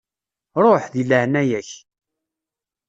Ruḥ, deg leεnaya-k.